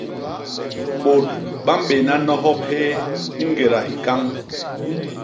Bôt ba mbéna nohop hyéé i ngéda hikañ.